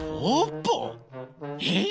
えっ？